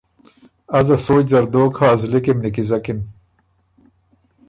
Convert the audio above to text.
ازه سوچ زر دوک هۀ زلی کی م نیکیزکِن۔